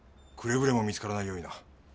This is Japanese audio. くれぐれも見つからないようにな。